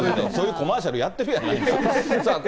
そういうコマーシャルやってるやん、なんか。